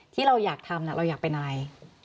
ที่เราอยากทำเราอยากเป็นอะไร